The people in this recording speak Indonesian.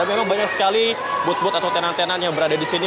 memang banyak sekali booth booth atau tenan tenan yang berada di sini